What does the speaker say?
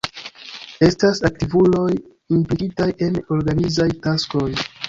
Estas aktivuloj implikitaj en organizaj taskoj.